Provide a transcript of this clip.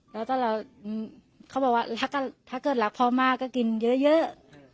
แล้วตั้งแต่เราอืมเขาบอกว่าถ้าถ้าเกิดหลักพ่อมากก็กินเยอะเยอะ